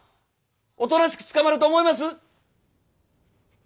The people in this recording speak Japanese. おとなしく捕まると思います？